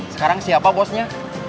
sekarang siapa bosnya